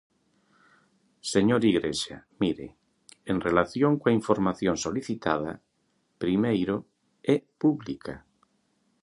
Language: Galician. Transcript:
Señor Igrexa, mire, en relación coa información solicitada, primeiro, é pública.